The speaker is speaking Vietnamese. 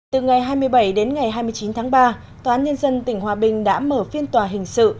từ ngày hai mươi bảy đến ngày hai mươi chín tháng ba tòa án nhân dân tỉnh hòa bình đã mở phiên tòa hình sự